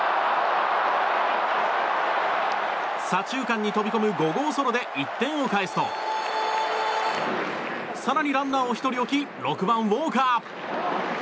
左中間に飛び込む５号ソロで１点を返すと更にランナーを１人置き６番、ウォーカー。